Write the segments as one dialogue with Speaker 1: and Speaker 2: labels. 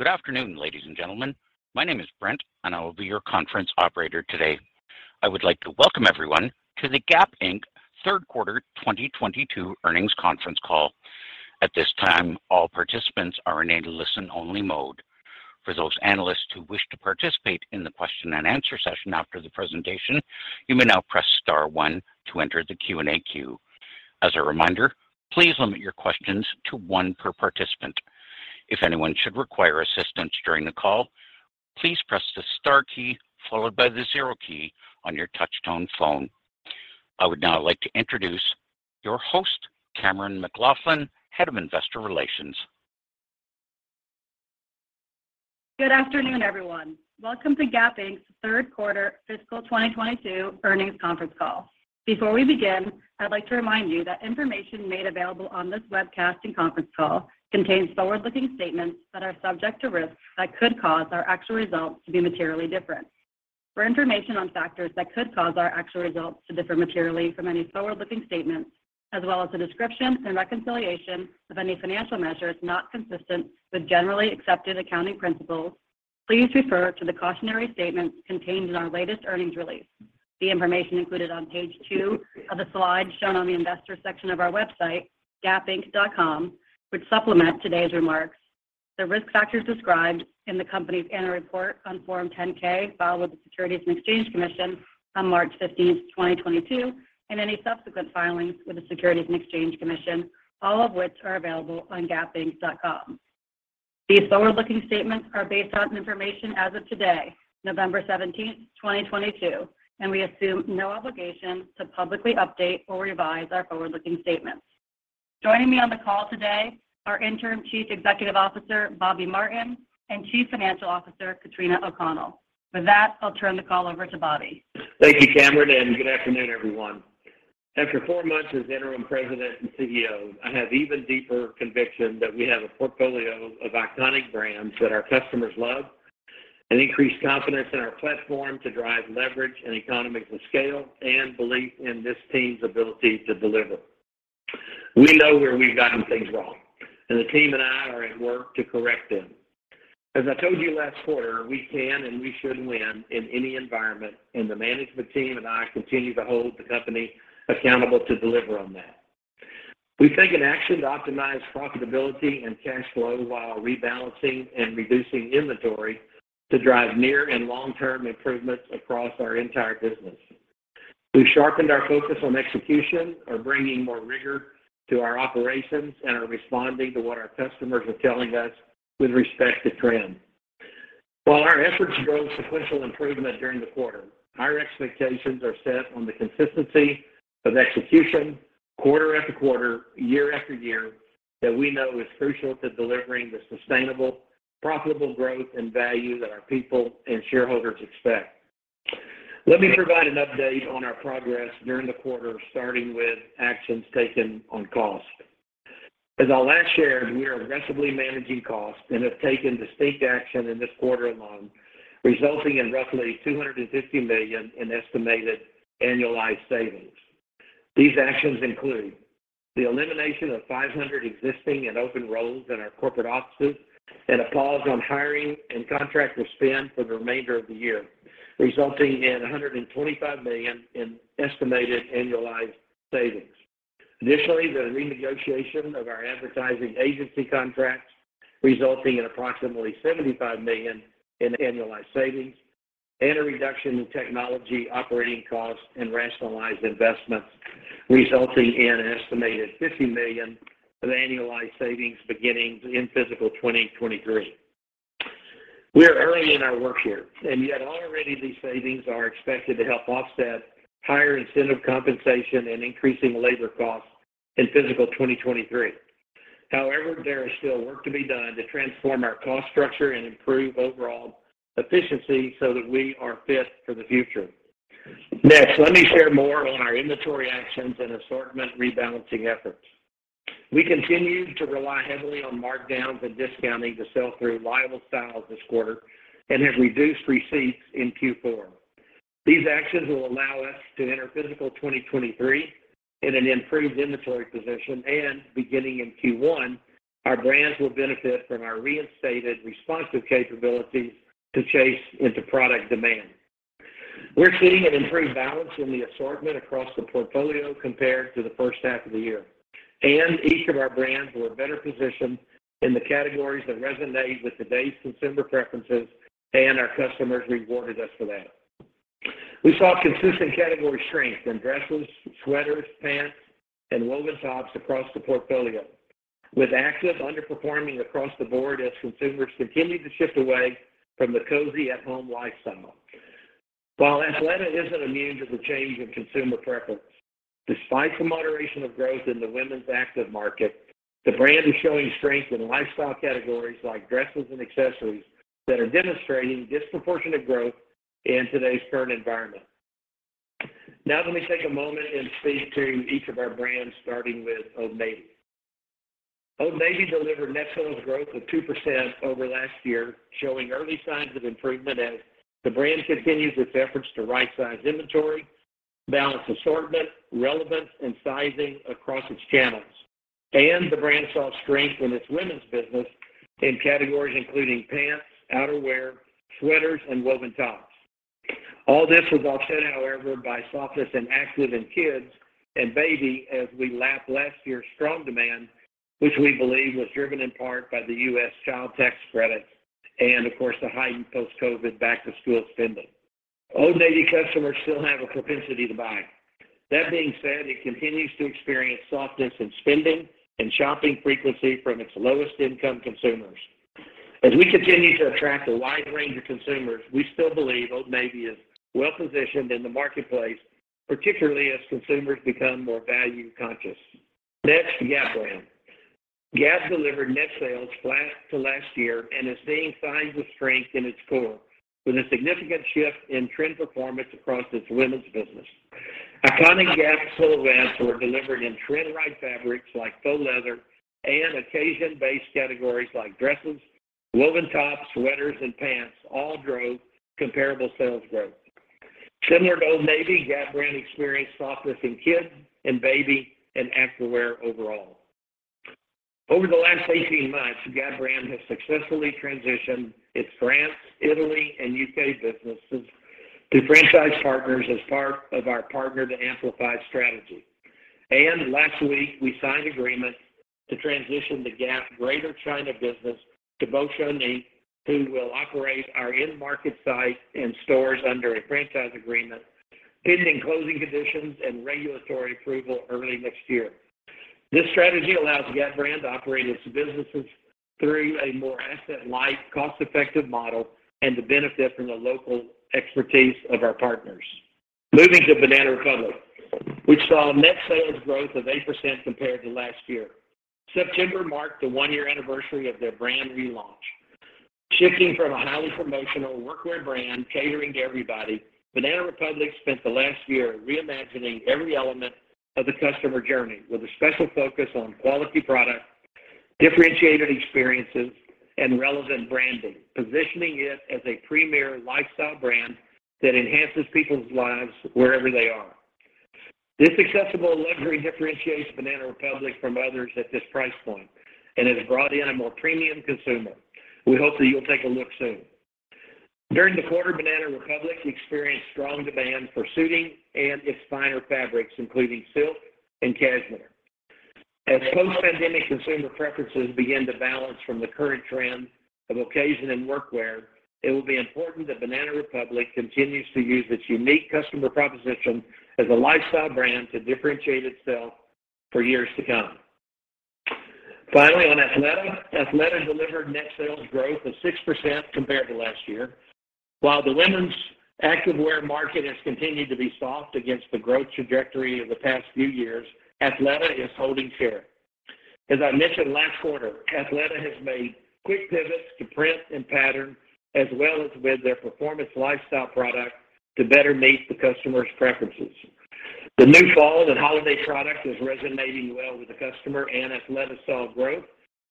Speaker 1: Good afternoon, ladies and gentlemen. My name is Brent, and I will be your conference operator today. I would like to welcome everyone to the Gap Inc third quarter 2022 earnings conference call. At this time, all participants are in a listen-only mode. For those analysts who wish to participate in the question-and-answer session after the presentation, you may now press star one to enter the Q&A queue. As a reminder, please limit your questions to one per participant. If anyone should require assistance during the call, please press the star key followed by the zero key on your touchtone phone. I would now like to introduce your host, Cammeron McLaughlin, Head of Investor Relations.
Speaker 2: Good afternoon, everyone. Welcome to Gap Inc's third quarter fiscal 2022 earnings conference call. Before we begin, I'd like to remind you that information made available on this webcast and conference call contains forward-looking statements that are subject to risks that could cause our actual results to be materially different. For information on factors that could cause our actual results to differ materially from any forward-looking statements, as well as a description and reconciliation of any financial measures not consistent with generally accepted accounting principles, please refer to the cautionary statements contained in our latest earnings release. The information included on page two of the slides shown on the investor section of our website, gapinc.com, which supplement today's remarks. The risk factors described in the company's annual report on Form 10-K filed with the Securities and Exchange Commission on March 15th, 2022, and any subsequent filings with the Securities and Exchange Commission, all of which are available on gapinc.com. These forward-looking statements are based on information as of today, November 17th, 2022, and we assume no obligation to publicly update or revise our forward-looking statements. Joining me on the call today, our Interim Chief Executive Officer, Bob Martin, and Chief Financial Officer, Katrina O'Connell. With that, I'll turn the call over to Bobby.
Speaker 3: Thank you, Cammeron, and good afternoon, everyone. After four months as Interim President and CEO, I have even deeper conviction that we have a portfolio of iconic brands that our customers love, an increased confidence in our platform to drive leverage and economies of scale, and belief in this team's ability to deliver. We know where we've gotten things wrong, and the team and I are at work to correct them. As I told you last quarter, we can and we should win in any environment, and the management team and I continue to hold the company accountable to deliver on that. We've taken action to optimize profitability and cash flow while rebalancing and reducing inventory to drive near and long-term improvements across our entire business. We've sharpened our focus on execution or bringing more rigor to our operations and are responding to what our customers are telling us with respect to trends. While our efforts drove sequential improvement during the quarter, our expectations are set on the consistency of execution quarter-after-quarter, year-after-year, that we know is crucial to delivering the sustainable, profitable growth and value that our people and shareholders expect. Let me provide an update on our progress during the quarter, starting with actions taken on cost. As I last shared, we are aggressively managing costs and have taken distinct action in this quarter alone, resulting in roughly $250 million in estimated annualized savings. These actions include the elimination of 500 existing and open roles in our corporate offices and a pause on hiring and contractor spend for the remainder of the year, resulting in $125 million in estimated annualized savings. Additionally, the renegotiation of our advertising agency contracts resulting in approximately $75 million in annualized savings and a reduction in technology operating costs and rationalized investments, resulting in an estimated $50 million of annualized savings beginning in fiscal 2023. We are early in our work here, and yet already these savings are expected to help offset higher incentive compensation and increasing labor costs in fiscal 2023. However, there is still work to be done to transform our cost structure and improve overall efficiency so that we are fit for the future. Next, let me share more on our inventory actions and assortment rebalancing efforts. We continue to rely heavily on markdowns and discounting to sell through liability styles this quarter and have reduced receipts in Q4. These actions will allow us to enter fiscal 2023 in an improved inventory position, and beginning in Q1, our brands will benefit from our reinstated responsive capabilities to chase into product demand. We're seeing an improved balance in the assortment across the portfolio compared to the first half of the year, and each of our brands were better positioned in the categories that resonate with today's consumer preferences, and our customers rewarded us for that. We saw consistent category strength in dresses, sweaters, pants, and woven tops across the portfolio, with active underperforming across the board as consumers continued to shift away from the cozy at-home lifestyle. While Athleta isn't immune to the change in consumer preference, despite the moderation of growth in the women's active market, the brand is showing strength in lifestyle categories like dresses and accessories that are demonstrating disproportionate growth in today's current environment. Now let me take a moment and speak to each of our brands, starting with Old Navy. Old Navy delivered net sales growth of 2% over last year, showing early signs of improvement as the brand continues its efforts to right-size inventory, balance assortment, relevance, and sizing across its channels. The brand saw strength in its women's business in categories including pants, outerwear, sweaters, and woven tops. All this was offset, however, by softness in active and kids and baby as we lapped last year's strong demand, which we believe was driven in part by the U.S. child tax credits and, of course, the heightened post-COVID back-to-school spending. Old Navy customers still have a propensity to buy. That being said, it continues to experience softness in spending and shopping frequency from its lowest-income consumers. As we continue to attract a wide range of consumers, we still believe Old Navy is well-positioned in the marketplace, particularly as consumers become more value-conscious. Next, Gap brand. Gap delivered net sales flat to last year and is seeing signs of strength in its core with a significant shift in trend performance across its women's business. Iconic Gap silhouettes were delivered in trend-right fabrics like faux leather, and occasion-based categories like dresses, woven tops, sweaters, and pants all drove comparable sales growth. Similar to Old Navy, Gap brand experienced softness in kids and baby and activewear overall. Over the last 18 months, Gap Brand has successfully transitioned its France, Italy, and U.K. businesses to franchise partners as part of our Partner to Amplify strategy. Last week, we signed agreements to transition the Gap Greater China business to Baozun Inc, who will operate our in-market site and stores under a franchise agreement, pending closing conditions and regulatory approval early next year. This strategy allows Gap Brand to operate its businesses through a more asset-light, cost-effective model and to benefit from the local expertise of our partners. Moving to Banana Republic, we saw net sales growth of 8% compared to last year. September marked the one-year anniversary of their brand relaunch. Shifting from a highly promotional workwear brand catering to everybody, Banana Republic spent the last year reimagining every element of the customer journey with a special focus on quality product, differentiated experiences, and relevant branding, positioning it as a premier lifestyle brand that enhances people's lives wherever they are. This accessible luxury differentiates Banana Republic from others at this price point and has brought in a more premium consumer. We hope that you'll take a look soon. During the quarter, Banana Republic experienced strong demand for suiting and its finer fabrics, including silk and cashmere. As post-pandemic consumer preferences begin to balance from the current trend of occasion and workwear, it will be important that Banana Republic continues to use its unique customer proposition as a lifestyle brand to differentiate itself for years to come. Finally, on Athleta. Athleta delivered net sales growth of 6% compared to last year. While the women's activewear market has continued to be soft against the growth trajectory of the past few years, Athleta is holding share. As I mentioned last quarter, Athleta has made quick pivots to print and pattern, as well as with their performance lifestyle product to better meet the customer's preferences. The new fall and holiday product is resonating well with the customer, and Athleta saw growth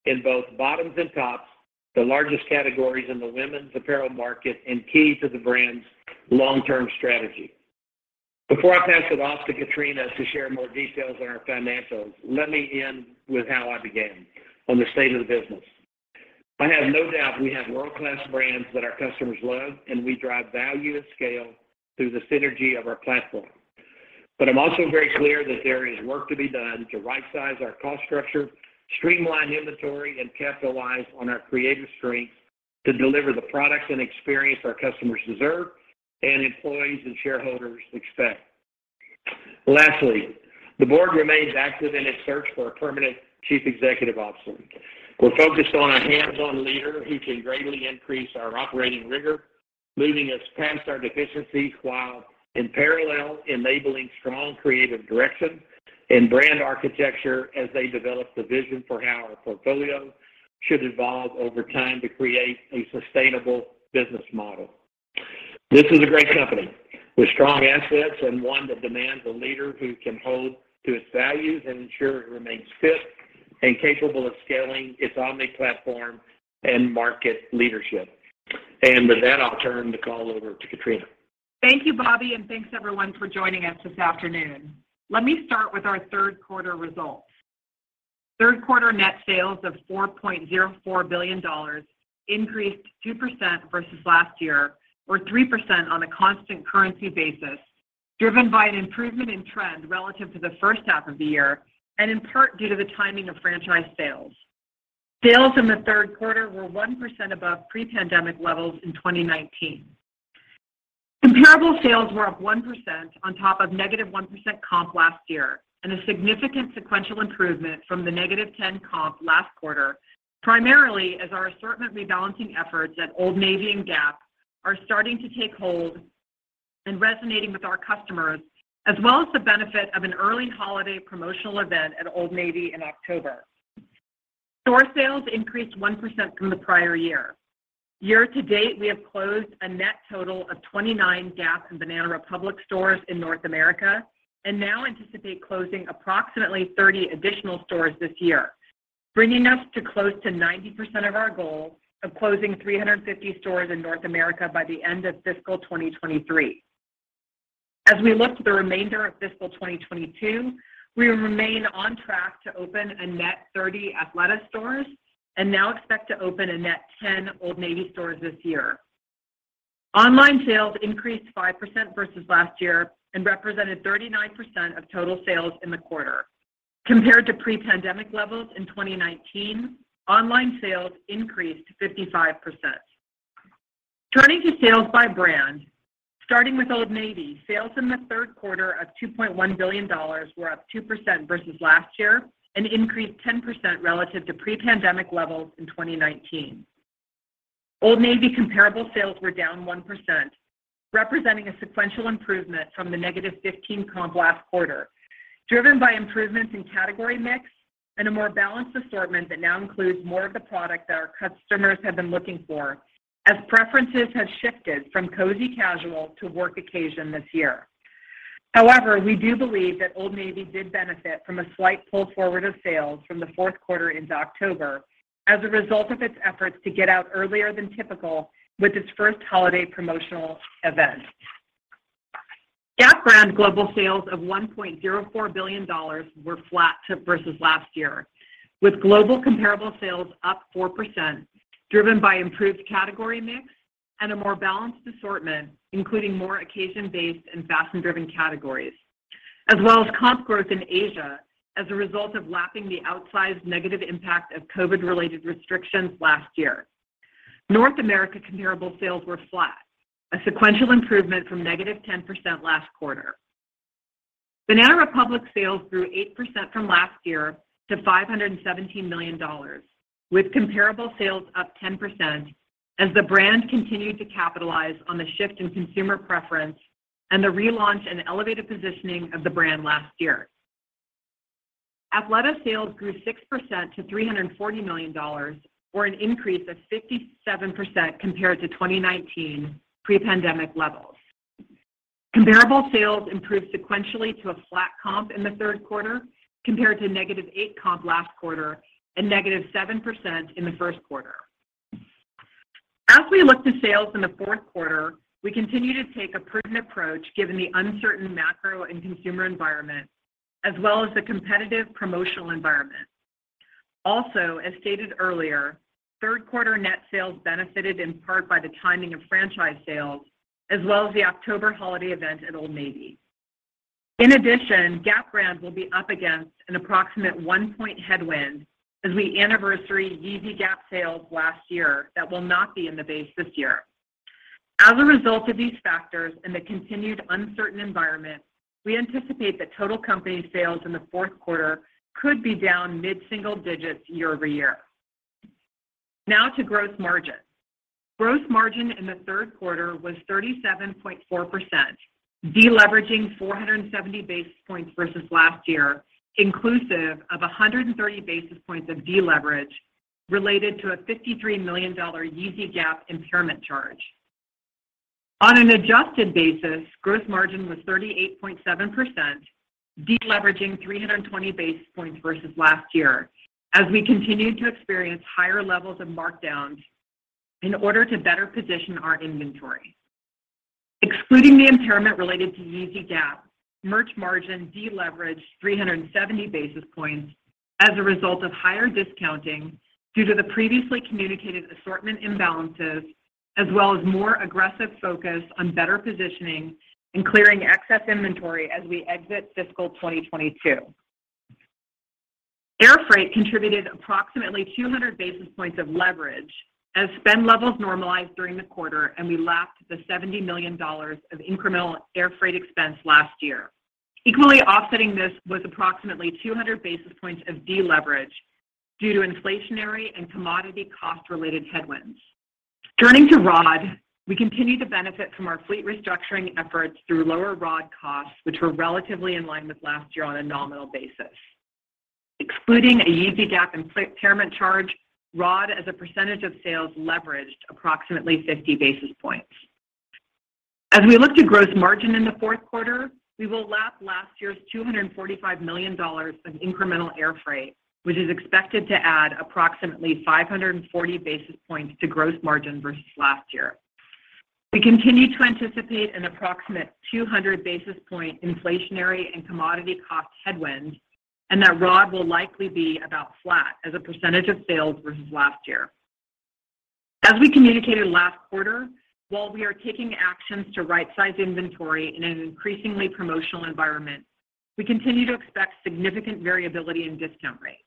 Speaker 3: in both bottoms and tops, the largest categories in the women's apparel market and key to the brand's long-term strategy. Before I pass it off to Katrina to share more details on our financials, let me end with how I began, on the state of the business. I have no doubt we have world-class brands that our customers love, and we drive value and scale through the synergy of our platform. I'm also very clear that there is work to be done to right-size our cost structure, streamline inventory, and capitalize on our creative strengths to deliver the products and experience our customers deserve and employees and shareholders expect. Lastly, the Board remains active in its search for a permanent Chief Executive Officer. We're focused on a hands-on leader who can greatly increase our operating rigor, moving us past our deficiencies, while in parallel enabling strong creative direction and brand architecture as they develop the vision for how our portfolio should evolve over time to create a sustainable business model. This is a great company with strong assets and one that demands a leader who can hold to its values and ensure it remains fit and capable of scaling its omni-platform and market leadership. With that, I'll turn the call over to Katrina.
Speaker 4: Thank you, Bobby, and thanks everyone for joining us this afternoon. Let me start with our third quarter results. Third quarter net sales of $4.04 billion increased 2% versus last year or 3% on a constant currency basis, driven by an improvement in trend relative to the first half of the year and in part due to the timing of franchise sales. Sales in the third quarter were 1% above pre-pandemic levels in 2019. Comparable sales were up 1% on top of -1% comp last year, and a significant sequential improvement from the -10 comp last quarter, primarily as our assortment rebalancing efforts at Old Navy and Gap are starting to take hold and resonating with our customers, as well as the benefit of an early holiday promotional event at Old Navy in October. Store sales increased 1% from the prior year. Year to date, we have closed a net total of 29 Gap and Banana Republic stores in North America. Now anticipate closing approximately 30 additional stores this year, bringing us to close to 90% of our goal of closing 350 stores in North America by the end of fiscal 2023. As we look to the remainder of fiscal 2022, we remain on track to open a net 30 Athleta stores and now expect to open a net 10 Old Navy stores this year. Online sales increased 5% versus last year and represented 39% of total sales in the quarter. Compared to pre-pandemic levels in 2019, online sales increased 55%. Turning to sales by brand, starting with Old Navy, sales in the third quarter of $2.1 billion were up 2% versus last year and increased 10% relative to pre-pandemic levels in 2019. Old Navy comparable sales were down 1%, representing a sequential improvement from the -15% comp last quarter, driven by improvements in category mix and a more balanced assortment that now includes more of the product that our customers have been looking for as preferences have shifted from cozy casual to work occasion this year. However, we do believe that Old Navy did benefit from a slight pull forward of sales from the fourth quarter into October as a result of its efforts to get out earlier than typical with its first holiday promotional event. Gap brand global sales of $1.04 billion were flat to versus last year, with global comparable sales up 4%, driven by improved category mix and a more balanced assortment, including more occasion-based and fashion-driven categories. As well as comp growth in Asia as a result of lapping the outsized negative impact of COVID-related restrictions last year. North America comparable sales were flat, a sequential improvement from -10% last quarter. Banana Republic sales grew eight percent from last year to $517 million, with comparable sales up 10% as the brand continued to capitalize on the shift in consumer preference and the relaunch and elevated positioning of the brand last year. Athleta sales grew 6% to $340 million or an increase of 57% compared to 2019 pre-pandemic levels. Comparable sales improved sequentially to a flat comp in the third quarter compared to -8% comp last quarter and -7% in the first quarter. As we look to sales in the fourth quarter, we continue to take a prudent approach given the uncertain macro and consumer environment as well as the competitive promotional environment. Also, as stated earlier, third quarter net sales benefited in part by the timing of franchise sales as well as the October holiday event at Old Navy. In addition, Gap brand will be up against an approximate one point headwind as we anniversary Yeezy Gap sales last year that will not be in the base this year. As a result of these factors and the continued uncertain environment, we anticipate that total company sales in the fourth quarter could be down mid-single digits year-over-year. Now to gross margin. Gross margin in the third quarter was 37.4%, deleveraging 470 basis points versus last year, inclusive of 130 basis points of deleverage related to a $53 million Yeezy Gap impairment charge. On an adjusted basis, gross margin was 38.7%, deleveraging 320 basis points versus last year as we continued to experience higher levels of markdowns in order to better position our inventory. Excluding the impairment related to Yeezy Gap, merch margin deleveraged 370 basis points as a result of higher discounting due to the previously communicated assortment imbalances as well as more aggressive focus on better positioning and clearing excess inventory as we exit fiscal 2022. Air freight contributed approximately 200 basis points of leverage as spend levels normalized during the quarter, and we lapped the $70 million of incremental air freight expense last year. Equally offsetting this was approximately 200 basis points of deleverage due to inflationary and commodity cost related headwinds. Turning to ROD, we continue to benefit from our fleet restructuring efforts through lower ROD costs, which were relatively in line with last year on a nominal basis. Excluding a Yeezy Gap impairment charge, ROD as a percentage of sales leveraged approximately 50 basis points. As we look to gross margin in the fourth quarter, we will lap last year's $245 million of incremental air freight, which is expected to add approximately 540 basis points to gross margin versus last year. We continue to anticipate an approximate 200 basis point inflationary and commodity cost headwind, and that ROD will likely be about flat as a percentage of sales versus last year. As we communicated last quarter, while we are taking actions to right-size inventory in an increasingly promotional environment, we continue to expect significant variability in discount rates.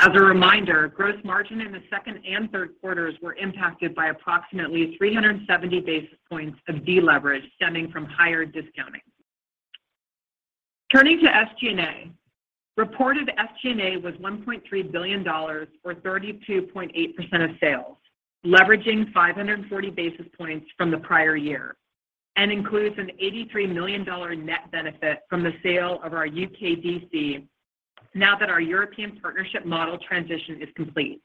Speaker 4: As a reminder, gross margin in the second and third quarters were impacted by approximately 370 basis points of deleverage stemming from higher discounting. Turning to SG&A. Reported SG&A was $1.3 billion or 32.8% of sales, leveraging 540 basis points from the prior year and includes an $83 million net benefit from the sale of our U.K. D.C. now that our European partnership model transition is complete.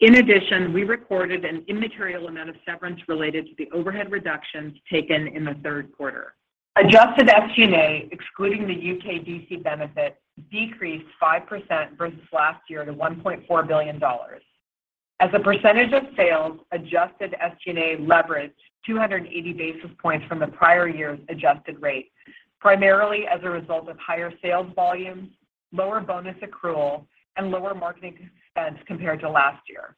Speaker 4: In addition, we recorded an immaterial amount of severance related to the overhead reductions taken in the third quarter. Adjusted SG&A, excluding the U.K. D.C. benefit, decreased 5% versus last year to $1.4 billion. As a percentage of sales, adjusted SG&A leveraged 280 basis points from the prior year's adjusted rate, primarily as a result of higher sales volumes, lower bonus accrual, and lower marketing expense compared to last year.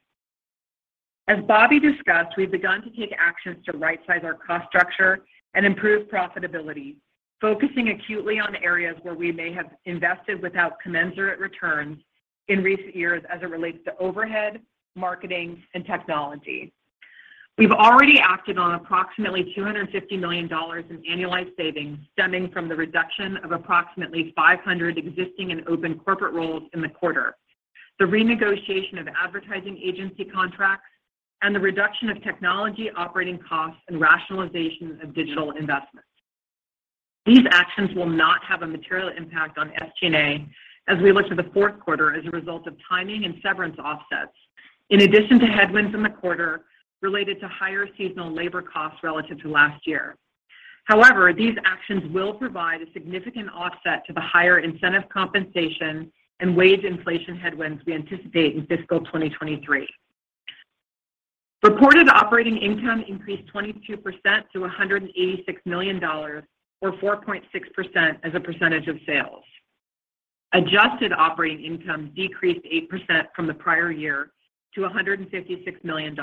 Speaker 4: As Bobby discussed, we've begun to take actions to rightsize our cost structure and improve profitability, focusing acutely on areas where we may have invested without commensurate returns in recent years as it relates to overhead, marketing, and technology. We've already acted on approximately $250 million in annualized savings stemming from the reduction of approximately 500 existing and open corporate roles in the quarter, the renegotiation of advertising agency contracts, and the reduction of technology operating costs and rationalization of digital investments. These actions will not have a material impact on SG&A as we look to the fourth quarter as a result of timing and severance offsets, in addition to headwinds in the quarter related to higher seasonal labor costs relative to last year. However, these actions will provide a significant offset to the higher incentive compensation and wage inflation headwinds we anticipate in fiscal 2023. Reported operating income increased 22% to $186 million, or 4.6% as a percentage of sales. Adjusted operating income decreased 8% from the prior year to $156 million.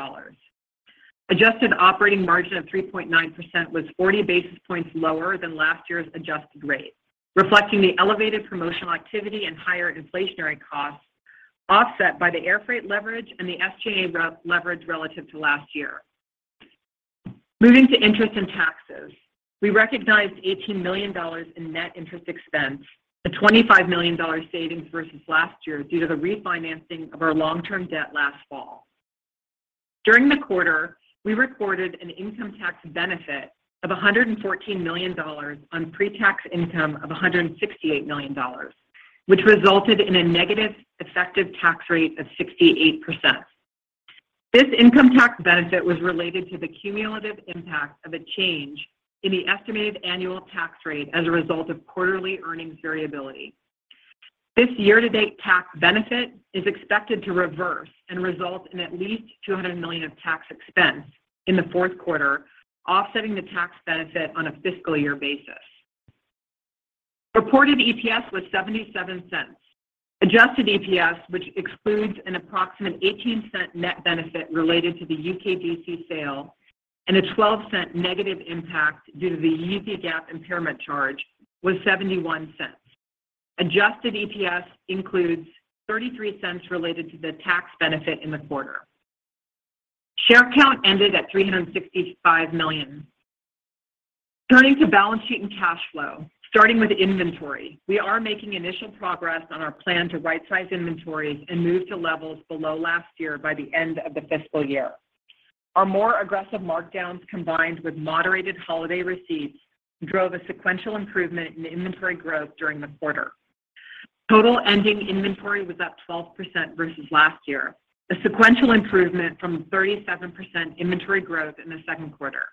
Speaker 4: Adjusted operating margin of 3.9% was 40 basis points lower than last year's adjusted rate, reflecting the elevated promotional activity and higher inflationary costs offset by the airfreight leverage and the SG&A leverage relative to last year. Moving to interest and taxes, we recognized $18 million in net interest expense, a $25 million savings versus last year due to the refinancing of our long-term debt last fall. During the quarter, we recorded an income tax benefit of $114 million on pre-tax income of $168 million, which resulted in a negative effective tax rate of 68%. This income tax benefit was related to the cumulative impact of a change in the estimated annual tax rate as a result of quarterly earnings variability. This year-to-date tax benefit is expected to reverse and result in at least $200 million of tax expense in the fourth quarter, offsetting the tax benefit on a fiscal year basis. Reported EPS was $0.77. Adjusted EPS, which excludes an approximate $0.18 net benefit related to the U.K. D.C. sale and a $0.12 negative impact due to the Gap impairment charge, was $0.71. Adjusted EPS includes $0.33 related to the tax benefit in the quarter. Share count ended at 365 million. Turning to balance sheet and cash flow, starting with inventory, we are making initial progress on our plan to rightsize inventories and move to levels below last year by the end of the fiscal year. Our more aggressive markdowns, combined with moderated holiday receipts, drove a sequential improvement in inventory growth during the quarter. Total ending inventory was up 12% versus last year, a sequential improvement from 37% inventory growth in the second quarter.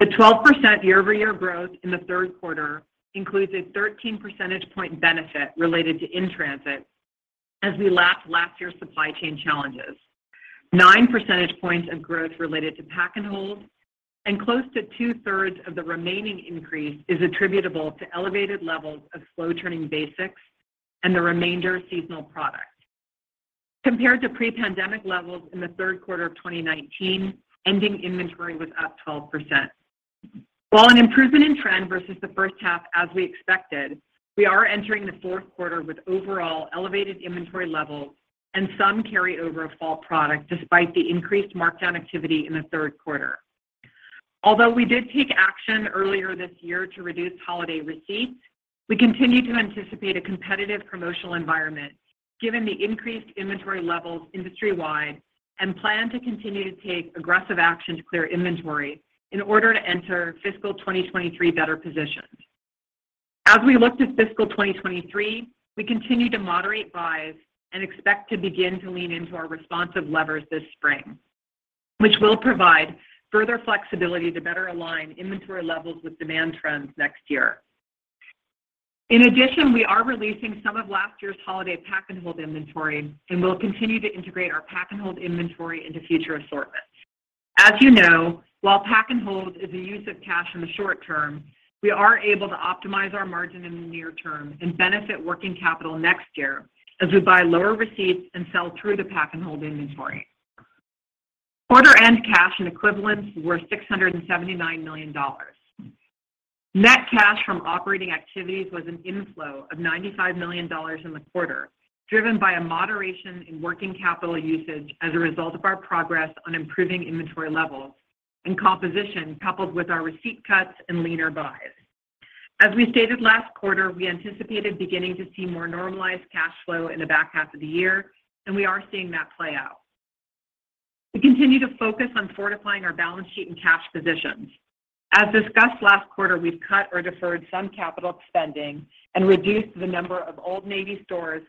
Speaker 4: The 12% year-over-year growth in the third quarter includes a 13 percentage point benefit related to in-transit as we lap last year's supply chain challenges. 9 percentage points of growth related to pack and hold and close to 2/3 of the remaining increase is attributable to elevated levels of slow-turning basics and the remainder seasonal product. Compared to pre-pandemic levels in the third quarter of 2019, ending inventory was up 12%. While an improvement in trend versus the first half as we expected, we are entering the fourth quarter with overall elevated inventory levels and some carryover of fall product despite the increased markdown activity in the third quarter. Although we did take action earlier this year to reduce holiday receipts, we continue to anticipate a competitive promotional environment given the increased inventory levels industry-wide and plan to continue to take aggressive action to clear inventory in order to enter fiscal 2023 better positioned. As we look to fiscal 2023, we continue to moderate buys and expect to begin to lean into our responsive levers this spring, which will provide further flexibility to better align inventory levels with demand trends next year. In addition, we are releasing some of last year's holiday pack and hold inventory and will continue to integrate our pack and hold inventory into future assortments. As you know, while pack and hold is a use of cash in the short term, we are able to optimize our margin in the near term and benefit working capital next year as we buy lower receipts and sell through the pack and hold inventory. Quarter-end cash and equivalents were $679 million. Net cash from operating activities was an inflow of $95 million in the quarter, driven by a moderation in working capital usage as a result of our progress on improving inventory levels and composition coupled with our receipt cuts and leaner buys. As we stated last quarter, we anticipated beginning to see more normalized cash flow in the back half of the year, and we are seeing that play out. We continue to focus on fortifying our balance sheet and cash positions. As discussed last quarter, we've cut or deferred some capital spending and reduced the number of Old Navy stores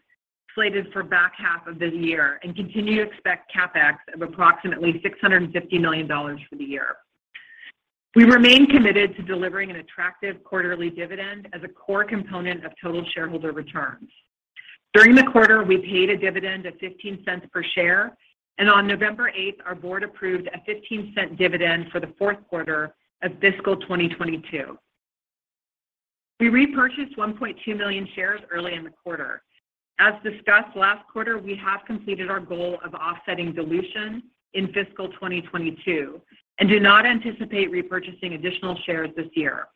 Speaker 4: slated for back half of this year and continue to expect CapEx of approximately $650 million for the year. We remain committed to delivering an attractive quarterly dividend as a core component of total shareholder returns. During the quarter, we paid a dividend of $0.15 per share, and on November 8th, our board approved a $0.15 dividend for the fourth quarter of fiscal 2022. We repurchased 1.2 million shares early in the quarter. As discussed last quarter, we have completed our goal of offsetting dilution in fiscal 2022 and do not anticipate repurchasing additional shares this year.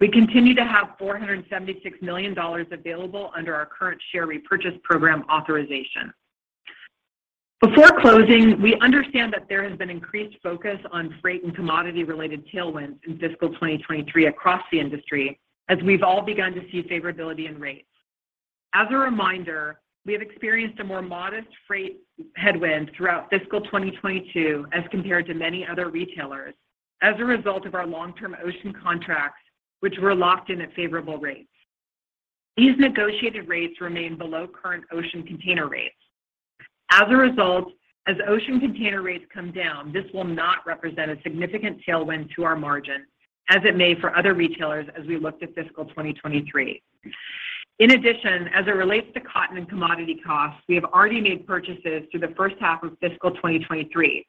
Speaker 4: We continue to have $476 million available under our current share repurchase program authorization. Before closing, we understand that there has been increased focus on freight and commodity-related tailwinds in fiscal 2023 across the industry as we've all begun to see favorability in rates. As a reminder, we have experienced a more modest freight headwind throughout fiscal 2022 as compared to many other retailers as a result of our long-term ocean contracts, which were locked in at favorable rates. These negotiated rates remain below current ocean container rates. As a result, as ocean container rates come down, this will not represent a significant tailwind to our margin as it may for other retailers as we looked at fiscal 2023. In addition, as it relates to cotton and commodity costs, we have already made purchases through the first half of fiscal 2023,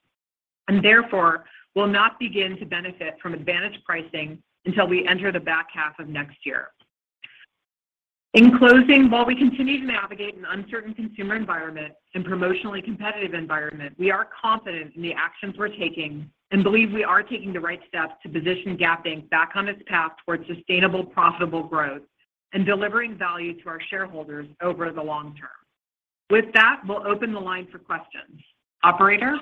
Speaker 4: and therefore will not begin to benefit from advantage pricing until we enter the back half of next year. In closing, while we continue to navigate an uncertain consumer environment and promotionally competitive environment, we are confident in the actions we're taking and believe we are taking the right steps to position Gap Inc back on its path towards sustainable, profitable growth and delivering value to our shareholders over the long term. With that, we'll open the line for questions. Operator?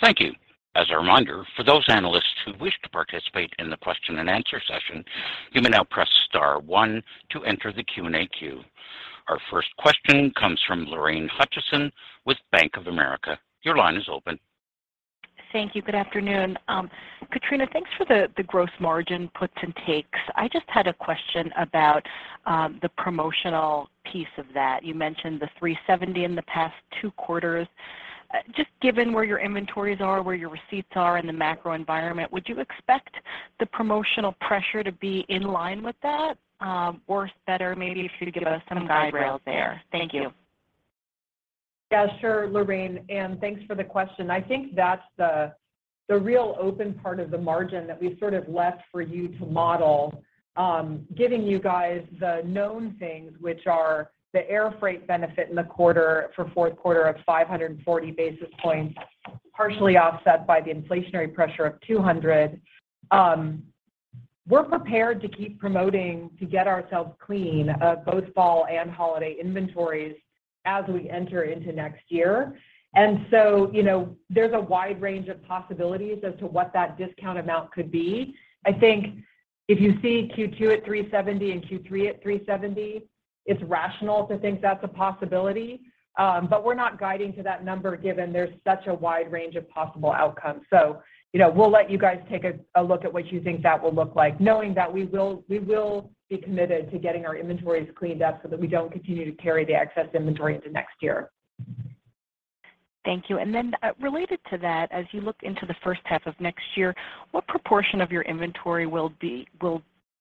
Speaker 1: Thank you. As a reminder, for those analysts who wish to participate in the question-and-answer session, you may now press star one to enter the Q&A queue. Our first question comes from Lorraine Hutchinson with Bank of America. Your line is open.
Speaker 5: Thank you. Good afternoon. Katrina, thanks for the gross margin puts and takes. I just had a question about the promotional piece of that. You mentioned the 370 in the past two quarters. Just given where your inventories are, where your receipts are, and the macro environment, would you expect the promotional pressure to be in line with that or better maybe if you could give us some guide rails there? Thank you.
Speaker 4: Yeah, sure, Lorraine, thanks for the question. I think that's the real open part of the margin that we sort of left for you to model, giving you guys the known things which are the air freight benefit in the quarter for fourth quarter of 540 basis points, partially offset by the inflationary pressure of 200. We're prepared to keep promoting to get ourselves clean of both fall and holiday inventories as we enter into next year. You know, there's a wide range of possibilities as to what that discount amount could be. I think if you see Q2 at 370 and Q3 at 370, it's rational to think that's a possibility. We're not guiding to that number given there's such a wide range of possible outcomes. You know, we'll let you guys take a look at what you think that will look like, knowing that we will be committed to getting our inventories cleaned up so that we don't continue to carry the excess inventory into next year.
Speaker 5: Thank you. Related to that, as you look into the first half of next year, what proportion of your inventory will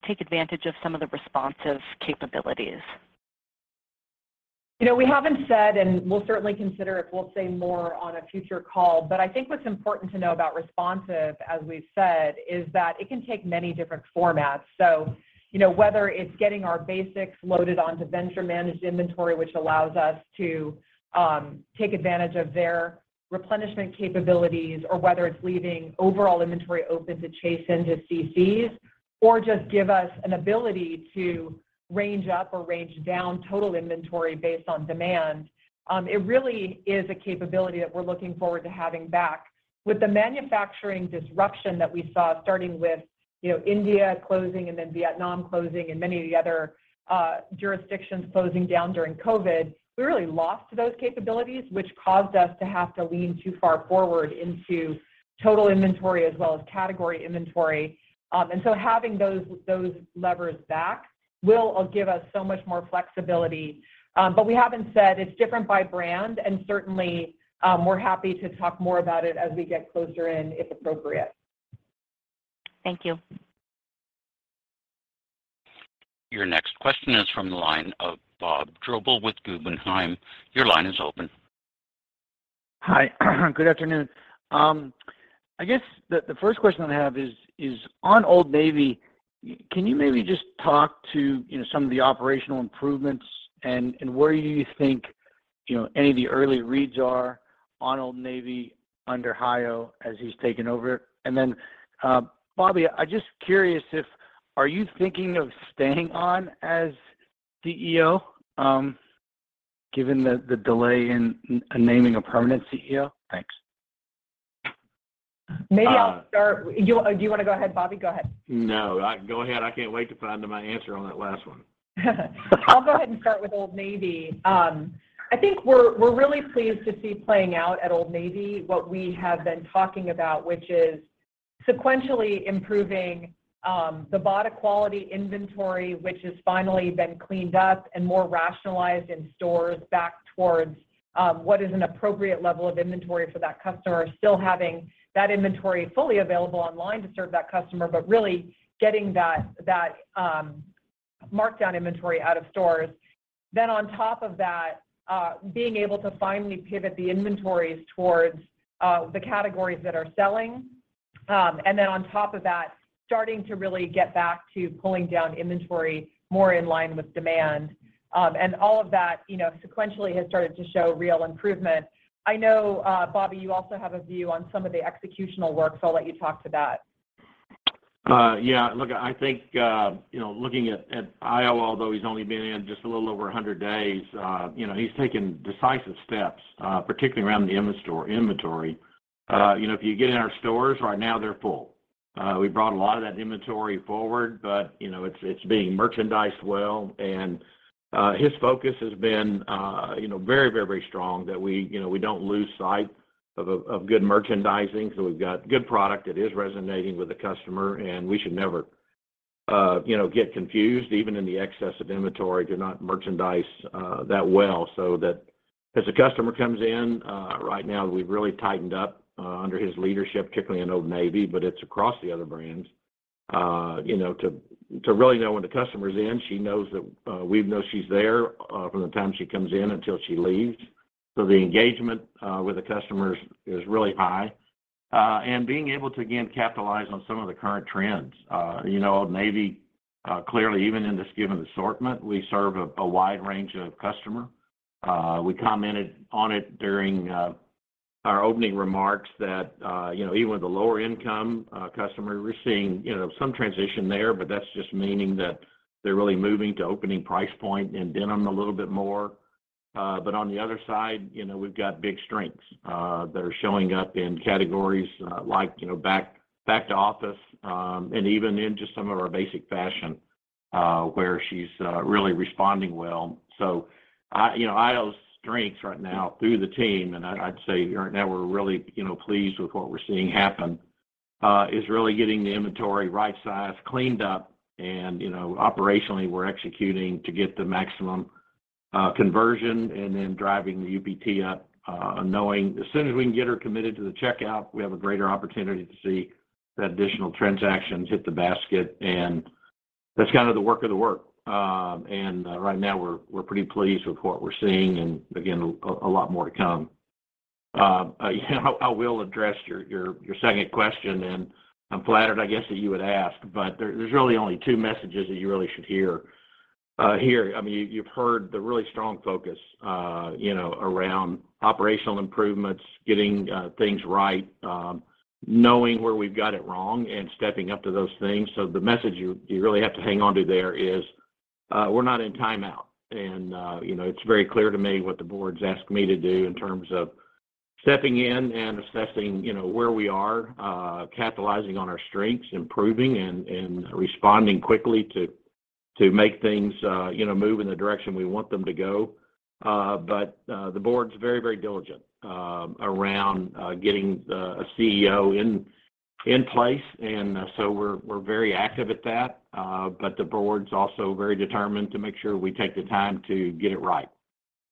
Speaker 5: take advantage of some of the responsive capabilities?
Speaker 4: You know, we haven't said, and we'll certainly consider if we'll say more on a future call, but I think what's important to know about responsive, as we've said, is that it can take many different formats. You know, whether it's getting our basics loaded onto vendor-managed inventory, which allows us to take advantage of their replenishment capabilities or whether it's leaving overall inventory open to chase into CCs or just give us an ability to range up or range down total inventory based on demand, it really is a capability that we're looking forward to having back. With the manufacturing disruption that we saw starting with, you know, India closing and then Vietnam closing and many of the other jurisdictions closing down during COVID, we really lost those capabilities, which caused us to have to lean too far forward into total inventory as well as category inventory. Having those levers back will give us so much more flexibility. We haven't said it's different by brand, and certainly, we're happy to talk more about it as we get closer in, if appropriate.
Speaker 5: Thank you.
Speaker 1: Your next question is from the line of Bob Drbul with Guggenheim. Your line is open.
Speaker 6: Hi. Good afternoon. I guess the first question I have is on Old Navy. Can you maybe just talk to, you know, some of the operational improvements and where you think, you know, any of the early reads are on Old Navy under Horacio Barbeito as he's taken over? Bob Martin, I'm just curious, are you thinking of staying on as CEO, given the delay in naming a permanent CEO? Thanks.
Speaker 4: Maybe I'll start. Do you wanna go ahead, Bobby? Go ahead.
Speaker 3: Go ahead. I can't wait to find out my answer on that last one.
Speaker 4: I'll go ahead and start with Old Navy. I think we're really pleased to see playing out at Old Navy what we have been talking about, which is sequentially improving the bought-in quality inventory, which has finally been cleaned up and more rationalized in stores back towards what is an appropriate level of inventory for that customer. Still having that inventory fully available online to serve that customer, but really getting that markdown inventory out of stores. On top of that, being able to finally pivot the inventories towards the categories that are selling. On top of that, starting to really get back to pulling down inventory more in line with demand. All of that, you know, sequentially has started to show real improvement. I know, Bobby, you also have a view on some of the executional work, so I'll let you talk to that.
Speaker 3: Yeah. Look, I think, you know, looking at Io, although he's only been in just a little over a 100 days, you know, he's taken decisive steps, particularly around the inventory. You know, if you get in our stores right now, they're full. We brought a lot of that inventory forward, but, you know, it's being merchandised well. His focus has been, you know, very strong that, you know, we don't lose sight of good merchandising 'cause we've got good product that is resonating with the customer, and we should never, you know, get confused even in the excess of inventory to not merchandise that well, so that as the customer comes in right now we've really tightened up under his leadership, particularly in Old Navy, but it's across the other brands, you know, to really know when the customer's in. She knows that we know she's there from the time she comes in until she leaves. The engagement with the customers is really high. Being able to, again, capitalize on some of the current trends. You know, Navy, clearly even in this given assortment, we serve a wide range of customer. We commented on it during our opening remarks that, you know, even with the lower income customer, we're seeing, you know, some transition there, but that's just meaning that they're really moving to opening price point and denim a little bit more. On the other side, you know, we've got big strengths that are showing up in categories like, you know, back to office and even into some of our basic fashion where she's really responding well. You know, Horacio's strengths right now through the team, and I'd say right now we're really, you know, pleased with what we're seeing happen, is really getting the inventory right size, cleaned up and, you know, operationally we're executing to get the maximum conversion and then driving the UPT up, knowing as soon as we can get her committed to the checkout, we have a greater opportunity to see the additional transactions hit the basket, and that's kind of the work of the work. Right now we're pretty pleased with what we're seeing, and again, a lot more to come. I will address your second question, and I'm flattered, I guess, that you would ask, but there's really only two messages that you really should hear here. I mean, you've heard the really strong focus, you know, around operational improvements, getting things right, knowing where we've got it wrong and stepping up to those things. The message you really have to hang on to there is we're not in timeout. You know, it's very clear to me what the Board's asked me to do in terms of stepping in and assessing, you know, where we are, capitalizing on our strengths, improving and responding quickly to make things, you know, move in the direction we want them to go. The Board's very diligent around getting a CEO in place. We're very active at that. The Board's also very determined to make sure we take the time to get it right.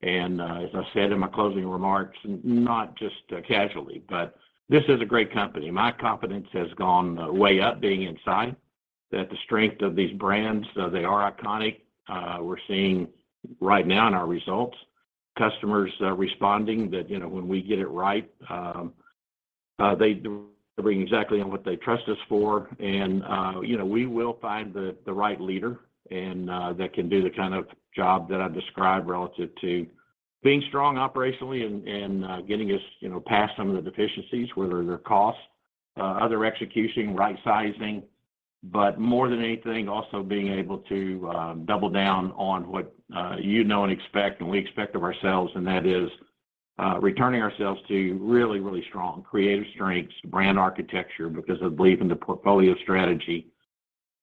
Speaker 3: As I said in my closing remarks, not just casually, but this is a great company. My confidence has gone way up being inside, that the strength of these brands, they are iconic. We're seeing right now in our results, customers responding that, you know, when we get it right, they delivering exactly on what they trust us for. You know, we will find the right leader and that can do the kind of job that I described relative to being strong operationally and getting us, you know, past some of the deficiencies, whether they're cost, other execution, right sizing. More than anything, also being able to double down on what you know and expect and we expect of ourselves, and that is returning ourselves to really strong creative strengths, brand architecture, because I believe in the portfolio strategy.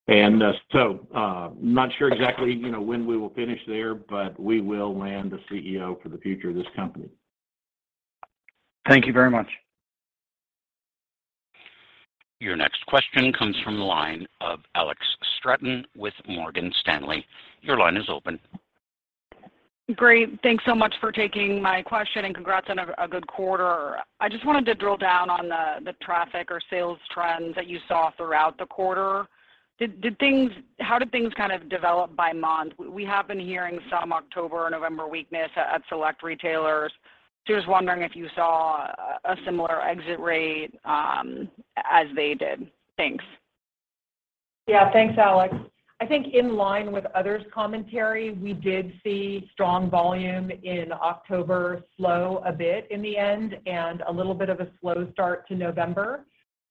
Speaker 3: Not sure exactly, you know, when we will finish there, but we will land a CEO for the future of this company.
Speaker 6: Thank you very much.
Speaker 1: Your next question comes from the line of Alexandra Straton with Morgan Stanley. Your line is open.
Speaker 7: Great. Thanks so much for taking my question, and congrats on a good quarter. I just wanted to drill down on the traffic or sales trends that you saw throughout the quarter. How did things kind of develop by month? We have been hearing some October, November weakness at select retailers. Just wondering if you saw a similar exit rate as they did. Thanks.
Speaker 4: Yeah. Thanks, Alex. I think in line with others' commentary, we did see strong volume in October slow a bit in the end, and a little bit of a slow start to November.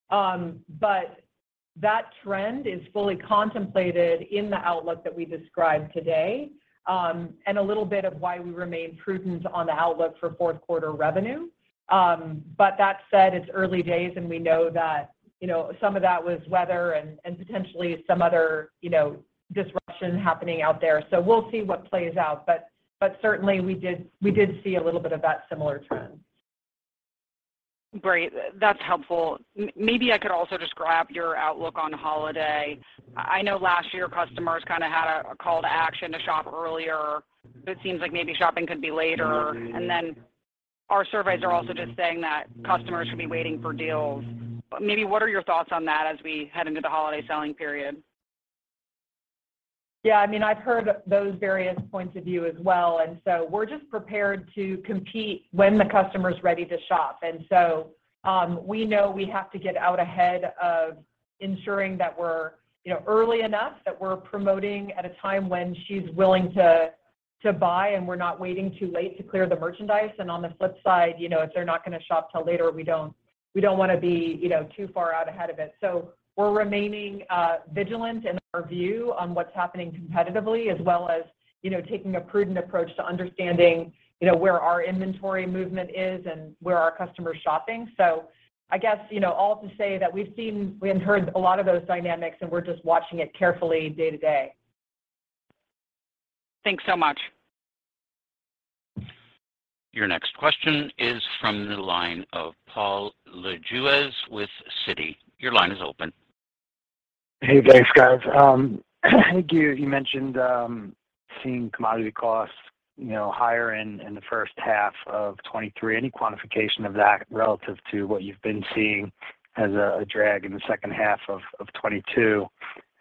Speaker 4: That trend is fully contemplated in the outlook that we described today and a little bit of why we remain prudent on the outlook for fourth quarter revenue. That said, it's early days, and we know that, you know, some of that was weather and potentially some other, you know, disruption happening out there. We'll see what plays out. Certainly we did see a little bit of that similar trend.
Speaker 7: Great. That's helpful. Maybe I could also just grab your outlook on holiday. I know last year customers kinda had a call to action to shop earlier, but it seems like maybe shopping could be later. Our surveys are also just saying that customers could be waiting for deals. Maybe what are your thoughts on that as we head into the holiday selling period?
Speaker 4: Yeah, I mean, I've heard those various points of view as well, and so we're just prepared to compete when the customer's ready to shop. We know we have to get out ahead of ensuring that we're, you know, early enough, that we're promoting at a time when she's willing to buy, and we're not waiting too late to clear the merchandise. On the flip side, you know, if they're not gonna shop till later, we don't wanna be, you know, too far out ahead of it. We're remaining vigilant in our view on what's happening competitively as well as, you know, taking a prudent approach to understanding, you know, where our inventory movement is and where our customer's shopping. I guess, you know, all to say that we have heard a lot of those dynamics, and we're just watching it carefully day to day.
Speaker 7: Thanks so much.
Speaker 1: Your next question is from the line of Paul Lejuez with Citi. Your line is open.
Speaker 8: Hey. Thanks, guys. I think you mentioned seeing commodity costs, you know, higher in the first half of 2023. Any quantification of that relative to what you've been seeing as a drag in the second half of 2022?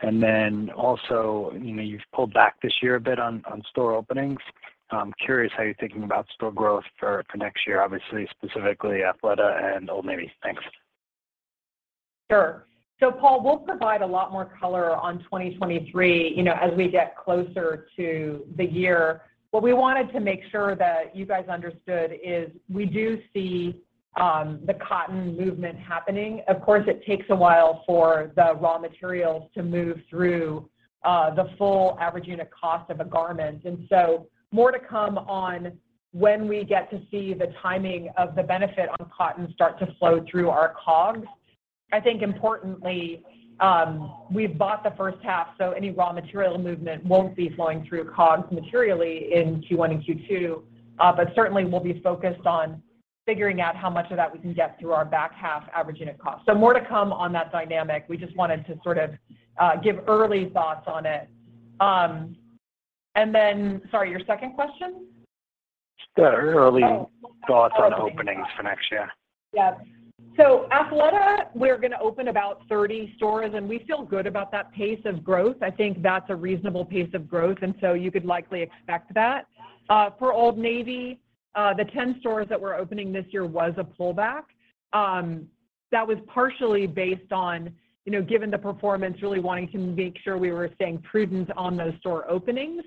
Speaker 8: You know, you've pulled back this year a bit on store openings. I'm curious how you're thinking about store growth for next year, obviously, specifically Athleta and Old Navy. Thanks.
Speaker 4: Sure. Paul, we'll provide a lot more color on 2023, you know, as we get closer to the year. What we wanted to make sure that you guys understood is we do see the cotton movement happening. Of course, it takes a while for the raw materials to move through the full average unit cost of a garment. More to come on when we get to see the timing of the benefit on cotton start to flow through our COGS. I think importantly, we've bought the first half, so any raw material movement won't be flowing through COGS materially in Q1 and Q2. Certainly we'll be focused on figuring out how much of that we can get through our back half average unit cost. More to come on that dynamic. We just wanted to sort of give early thoughts on it. Sorry, your second question?
Speaker 8: Just the early thoughts on openings for next year?
Speaker 4: Yeah. Athleta, we're gonna open about 30 stores, and we feel good about that pace of growth. I think that's a reasonable pace of growth, and so you could likely expect that. For Old Navy, the 10 stores that we're opening this year was a pullback. That was partially based on, you know, given the performance, really wanting to make sure we were staying prudent on those store openings.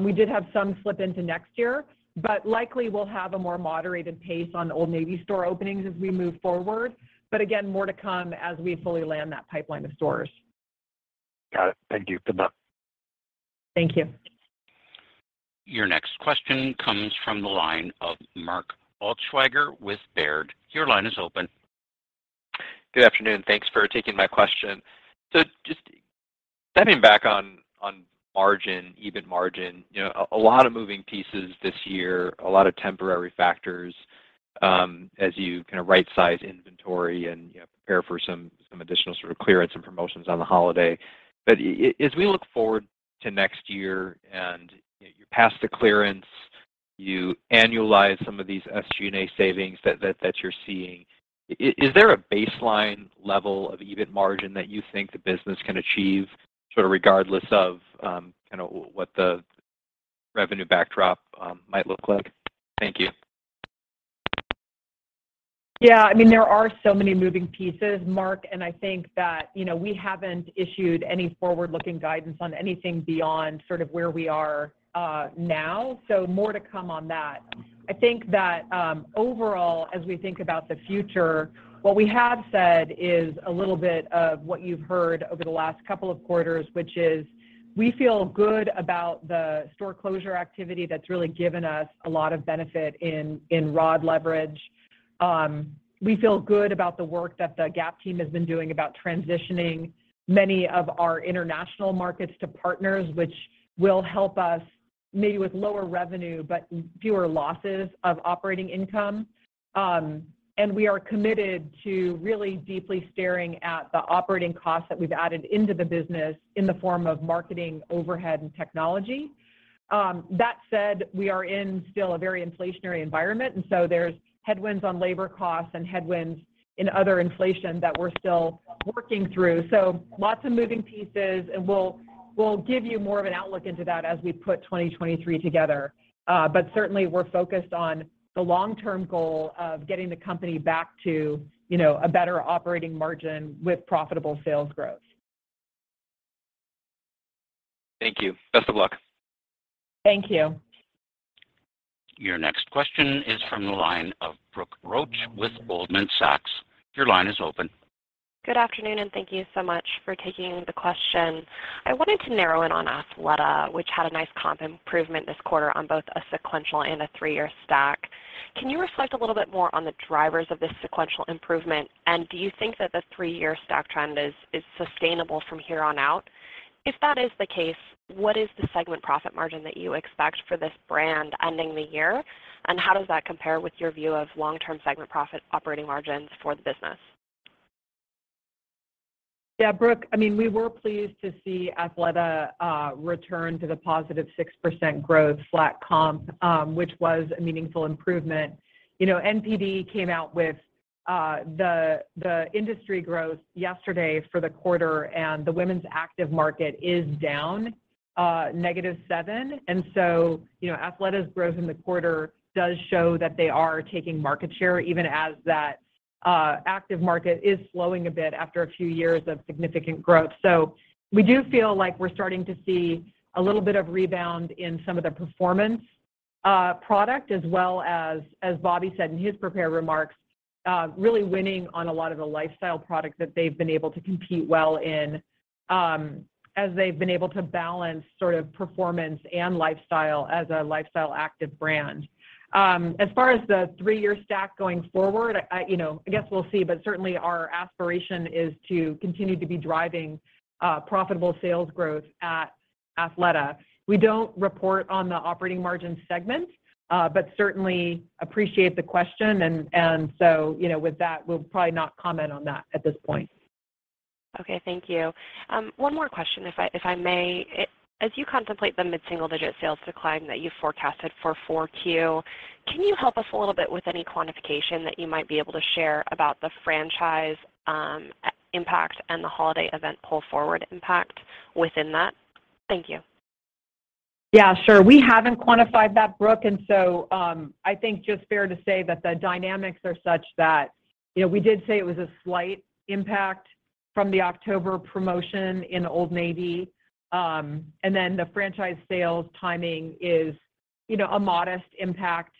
Speaker 4: We did have some slip into next year, but likely we'll have a more moderated pace on Old Navy store openings as we move forward. Again, more to come as we fully land that pipeline of stores.
Speaker 8: Got it. Thank you. Good luck.
Speaker 4: Thank you.
Speaker 1: Your next question comes from the line of Mark Altschwager with Baird. Your line is open.
Speaker 9: Good afternoon. Thanks for taking my question. Just stepping back on margin, EBIT margin, you know, a lot of moving pieces this year, a lot of temporary factors, as you kinda right-size inventory and, you know, prepare for some additional sort of clearance and promotions on the holiday. As we look forward to next year and, you know, you're past the clearance, you annualize some of these SG&A savings that you're seeing, is there a baseline level of EBIT margin that you think the business can achieve sort of regardless of kinda what the revenue backdrop might look like? Thank you.
Speaker 4: Yeah, I mean, there are so many moving pieces, Mark, and I think that, you know, we haven't issued any forward-looking guidance on anything beyond sort of where we are now. More to come on that. I think that, overall, as we think about the future, what we have said is a little bit of what you've heard over the last couple of quarters, which is we feel good about the store closure activity that's really given us a lot of benefit in ROD leverage. We feel good about the work that the Gap team has been doing about transitioning many of our international markets to partners, which will help us maybe with lower revenue, but fewer losses of operating income. We are committed to really deeply staring at the operating costs that we've added into the business in the form of marketing overhead and technology. That said, we are in still a very inflationary environment, and so there's headwinds on labor costs and headwinds in other inflation that we're still working through. Lots of moving pieces, and we'll give you more of an outlook into that as we put 2023 together. Certainly we're focused on the long-term goal of getting the company back to, you know, a better operating margin with profitable sales growth.
Speaker 9: Thank you. Best of luck.
Speaker 4: Thank you.
Speaker 1: Your next question is from the line of Brooke Roach with Goldman Sachs. Your line is open.
Speaker 10: Good afternoon, and thank you so much for taking the question. I wanted to narrow in on Athleta, which had a nice comp improvement this quarter on both a sequential and a three-year stack. Can you reflect a little bit more on the drivers of this sequential improvement, and do you think that the three-year stack trend is sustainable from here on out? If that is the case, what is the segment profit margin that you expect for this brand ending the year, and how does that compare with your view of long-term segment profit operating margins for the business?
Speaker 4: Yeah, Brooke, I mean, we were pleased to see Athleta return to the +6% growth flat comp, which was a meaningful improvement. You know NPD came out with the industry growth yesterday for the quarter, and the women's active market is down -7%. You know, Athleta's growth in the quarter does show that they are taking market share even as that active market is slowing a bit after a few years of significant growth. We do feel like we're starting to see a little bit of rebound in some of the performance product as well as Bobby said in his prepared remarks, really winning on a lot of the lifestyle products that they've been able to compete well in, as they've been able to balance sort of performance and lifestyle as a lifestyle active brand. As far as the three-year stack going forward, I, you know, I guess we'll see, but certainly our aspiration is to continue to be driving profitable sales growth at Athleta. We don't report on the operating margin segment, but certainly appreciate the question and so, you know, with that, we'll probably not comment on that at this point.
Speaker 10: Okay, thank you. One more question if I may. As you contemplate the mid-single-digit sales decline that you forecasted for Q4, can you help us a little bit with any quantification that you might be able to share about the franchise impact and the holiday event pull-forward impact within that? Thank you.
Speaker 4: Yeah, sure. We haven't quantified that, Brooke. I think just fair to say that the dynamics are such that, you know, we did say it was a slight impact from the October promotion in Old Navy. The franchise sales timing is, you know, a modest impact.